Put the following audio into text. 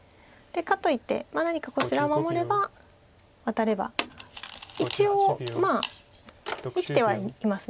かといって何かこちらを守ればワタれば一応まあ生きてはいます。